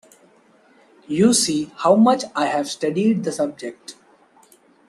You see how much I have studied the subject.